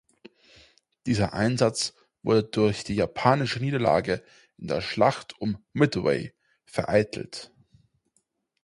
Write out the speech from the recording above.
Dieser Einsatz wurde durch die japanische Niederlage in der Schlacht um Midway vereitelt.